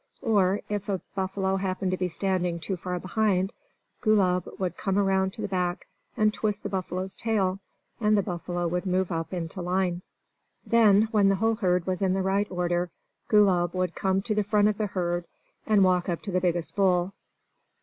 Or, if a buffalo happened to be standing too far behind, Gulab would come around to the back and twist the buffalo's tail, and the buffalo would move up into line. Then, when the whole herd was in the right order, Gulab would come to the front of the herd, and walk up to the biggest bull.